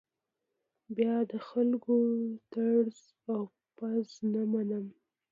بیا د خلکو ټز او پز نه منم.